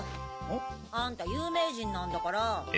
ん？あんた有名人なんだから。